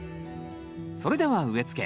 それでは植え付け。